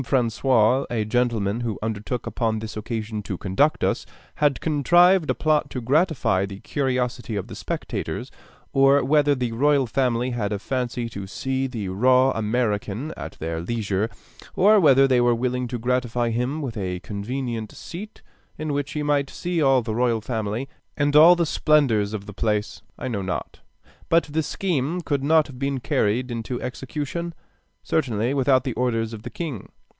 François, a gentleman who undertook upon this occasion to conduct us, had contrived a plot to gratify the curiosity of the spectators, or whether the royal family had a fancy to see the raw American at their leisure, or whether they were willing to gratify him with a convenient seat, in which he might see all the royal family, and all the splendors of the place, I know not; but the scheme could not have been carried into execution, certainly, without the orders of the king.